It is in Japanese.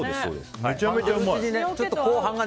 めちゃめちゃうまい。